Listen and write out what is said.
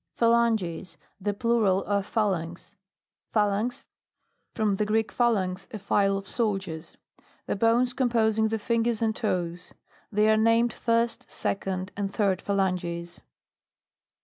PHALANGES. The plural of Phalanx. PHALANX. From the Greek, phalagx, a file of soldiers. The bones com posing the fingers and toes. They are named first, second, and third phalanges.